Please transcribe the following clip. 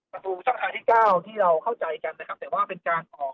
ประตูช่องทางที่เก้าที่เราเข้าใจกันนะครับแต่ว่าเป็นการออก